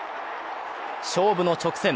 勝負の直線。